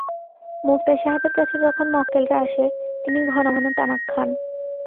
মোক্তার সাহেবের কাছে যখন মক্কেলরা আসে, তিনি ঘনঘন তামাক খান।